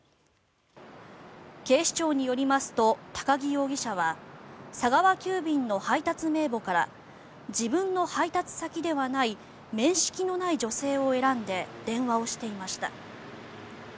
警視庁によりますと都木容疑者は佐川急便の配達名簿から自分の配達先ではない面識のない女性を選らんで電話をしていました。